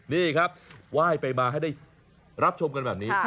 นี่ครับไหว้ไปมาให้ได้รับชมกันแบบนี้